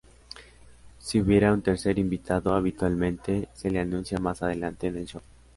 Si hubiera un tercer invitado, habitualmente se le anuncia más adelante en el show.